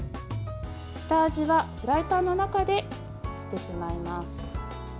下味はフライパンの中でしてしまいます。